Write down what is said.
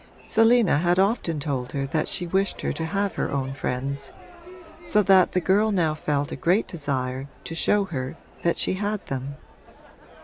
Selina had often told her that she wished her to have her own friends, so that the girl now felt a great desire to show her that she had them.